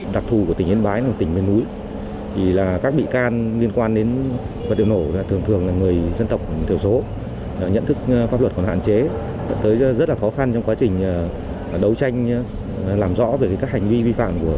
đặc thù của tỉnh yên bái là tỉnh bên núi